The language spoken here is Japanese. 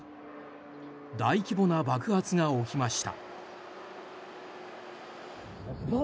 大規模な爆発が起きました。